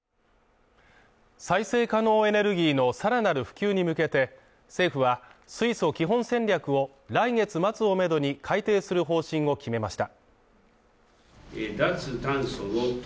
再生可能エネルギーのさらなる普及に向けて、政府は水素基本戦略を来月末をめどに改定する方針を決めました。